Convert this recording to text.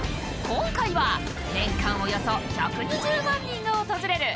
今回は年間およそ１２０万人が訪れる